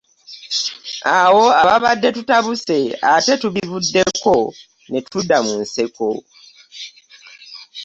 Awo ababadde tutabuse ate tubivuddeko ne tudda mu nseko.